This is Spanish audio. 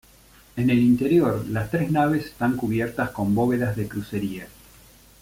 En el interior, las tres naves están cubiertas con bóvedas de crucería.